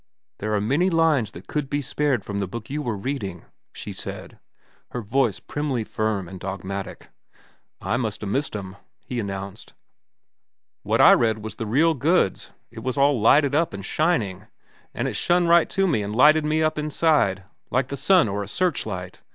"There are many lines that could be spared from the book you were reading," she said, her voice primly firm and dogmatic. "I must 'a' missed 'em," he announced. "What I read was the real goods. It was all lighted up an' shining, an' it shun right into me an' lighted me up inside, like the sun or a searchlight.